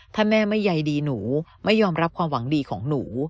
ถ้าแม่ไม่ใยดีหนูไม่ยอมรับความหวังดีของหนู